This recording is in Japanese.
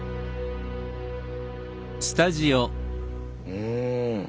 うん。